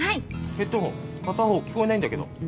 ヘッドホン片方聞こえないんだけど。